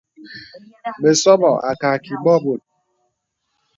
Bəsɔbɔ̄ à kààkì bɔ̄ bòt.